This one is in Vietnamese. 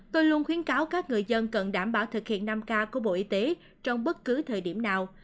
tôi luôn khuyến cáo các người dân cần đảm bảo thực hiện năm k của bộ y tế trong bất cứ thời điểm nào